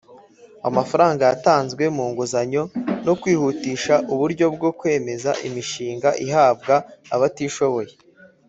amafaranga yatanzwe mu nguzanyo no kwihutisha uburyo bwo kwemeza imishinga ihabwa abatishoboye